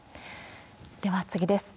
では次です。